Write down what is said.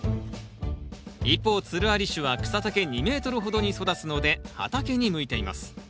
一方つるあり種は草丈２ｍほどに育つので畑に向いています。